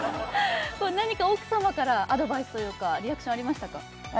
何か奥さまからアドバイスというかリアクションありましたか？